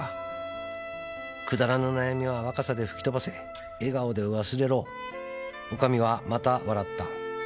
「くだらぬ悩みは若さで吹き飛ばせ」「笑顔で忘れろ女将はまた笑った」